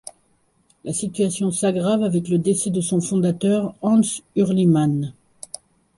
La situation s'aggrave avec le décès de son fondateur Hans Hürlimann.